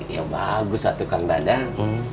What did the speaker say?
ya bagus tuh kang dadang